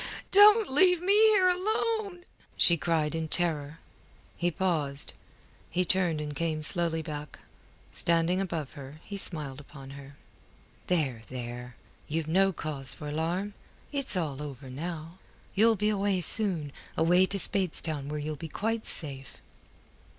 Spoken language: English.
Don't leave me here alone!" she cried in terror. He paused. He turned and came slowly back. Standing above her he smiled upon her. "There, there! You've no cause for alarm. It's all over now. You'll be away soon away to Speightstown, where you'll be quite safe."